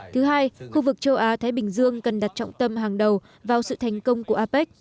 thứ hai khu vực châu á thái bình dương cần đặt trọng tâm hàng đầu vào sự thành công của apec